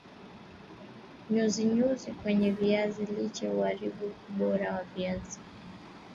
nyuzi nyuzi kwenye viazi lishe uharibu ubora wa viazi